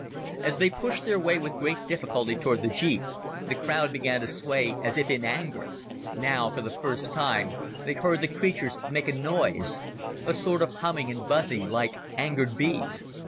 As they pushed their way with great difficulty toward the jeep, the crowd began to sway, as if in anger. Now, for the first time, they heard the creatures make a noise a sort of humming and buzzing like angered bees.